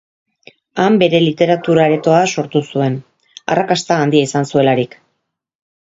Han bere literatur aretoa sortu zuen, arrakasta handia izan zuelarik.